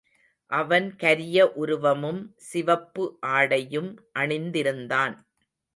அவன் கரிய உருவமும் சிவப்பு ஆடையும் அணிந்திருந்தான்.